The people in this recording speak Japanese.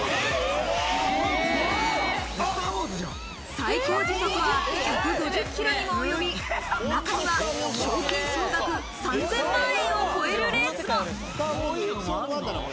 最高時速は１５０キロにも及び、中には賞金総額３０００万円を超えるレースも。